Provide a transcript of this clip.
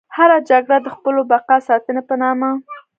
هره جګړه د خپلو بقا ساتنې په نامه.